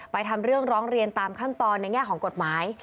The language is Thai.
ทำเรื่องร้องเรียนตามขั้นตอนในแง่ของกฎหมาย